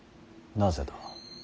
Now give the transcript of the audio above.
なぜだ。